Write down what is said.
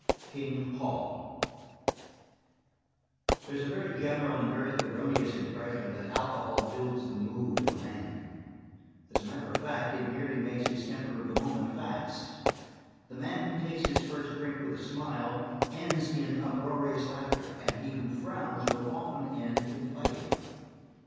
King Hol There is a very general and very erroneous impression that alcohol builds the mood of a man; as a matter of fact it merely makes his temper of the moment fast the man who takes his first drink with a smile ends in uproarious laughter, and he who frowns will often end in fighting.